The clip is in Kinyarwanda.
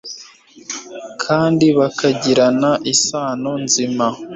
kandi bakagirana isano nzima.